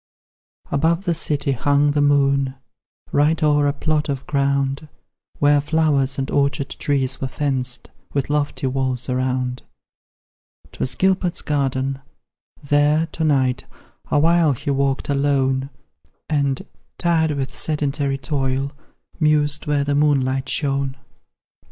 Above the city hung the moon, Right o'er a plot of ground Where flowers and orchard trees were fenced With lofty walls around: 'Twas Gilbert's garden there to night Awhile he walked alone; And, tired with sedentary toil, Mused where the moonlight shone.